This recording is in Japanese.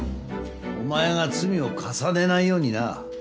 お前が罪を重ねないようにな。